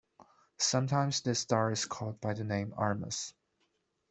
Sometimes, this star is called by the name Armus.